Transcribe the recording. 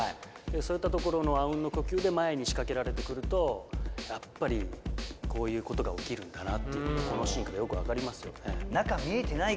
そういったところのあうんの呼吸で前に仕掛けられてくるとやっぱりこういうことが起きるんだなっていうのがこのシーンからよく分かりますよね。